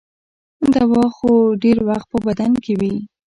دوا خو ډېر وخت په بدن کې وي.